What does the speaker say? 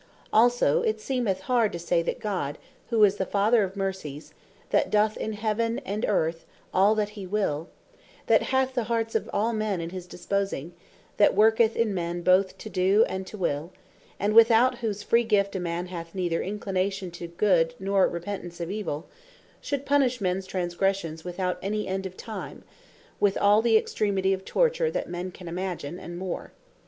Also, it seemeth hard, to say, that God who is the Father of Mercies, that doth in Heaven and Earth all that hee will; that hath the hearts of all men in his disposing; that worketh in men both to doe, and to will; and without whose free gift a man hath neither inclination to good, nor repentance of evill, should punish mens transgressions without any end of time, and with all the extremity of torture, that men can imagine, and more.